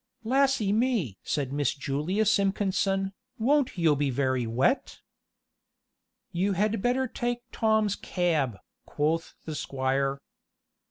"Lassy me!" said Miss Julia Simpkinson, "won't yo' be very wet?" "You had better take Tom's cab," quoth the squire.